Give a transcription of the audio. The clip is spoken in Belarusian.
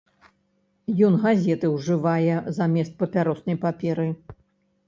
Ён газеты ўжывае замест папяроснай паперы.